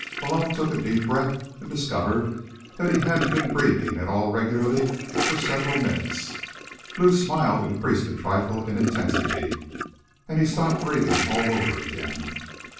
Malone took a deep breath and discovered that he hadn't been breathing at all regularly for several minutes. Lou's smile increased a trifle in intensity and he stopped breathing all over again.